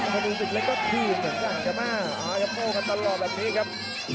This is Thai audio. กระโดยสิ้งเล็กนี่ออกกันขาสันเหมือนกันครับ